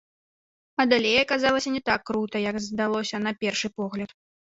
А далей аказалася не так крута, як здалося на першы погляд.